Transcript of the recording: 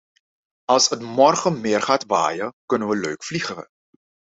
Als het morgen meer gaat waaien kunnen we leuk vliegeren.